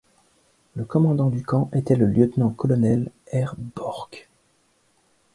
Le commandant du camp était le lieutenant-colonel Herr Borck.